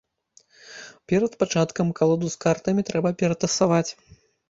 Перад пачаткам калоду з картамі трэба ператасаваць.